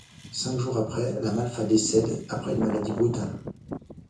Cinq jours après, La Malfa décède, après une maladie brutale.